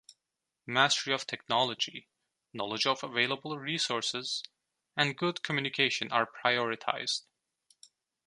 Mastery of technology, knowledge of available resources, and good communication are prioritized.